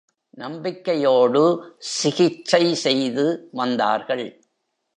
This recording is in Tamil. நம்பிக்கையோடு சிகிச்சை செய்து வந்தார்கள்.